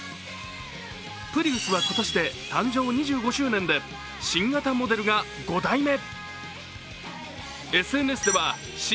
プリウスは今年で誕生２５周年で、新型モデルが５台目。